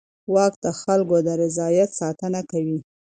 واک د خلکو د رضایت ساتنه کوي.